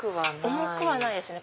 重くないですね